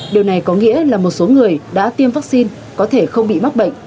điều này có nghĩa là một số người đã tiêm vaccine có thể không bị mắc bệnh